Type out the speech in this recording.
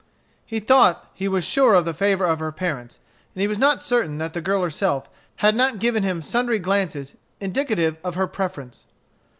He thought he was sure of the favor of her parents, and he was not certain that the girl herself had not given him sundry glances indicative of her preference.